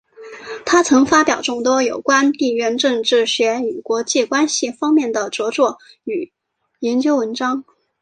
他曾发表众多有关地缘政治学与国际关系方面的着作与研究文章。